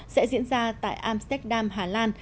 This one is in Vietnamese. sẽ diễn ra tại amsterdam hà lan